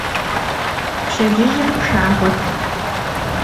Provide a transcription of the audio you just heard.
Пщэдджыжьым пшагъуэт.